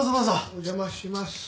お邪魔します。